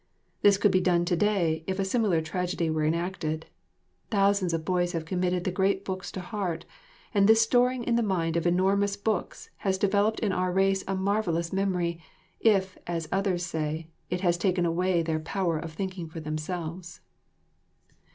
This could be done to day if a similar tragedy were enacted. Thousands of boys have committed the great books to heart, and this storing in the mind of enormous books has developed in our race a marvellous memory, if, as others say, it has taken away their power of thinking for themselves.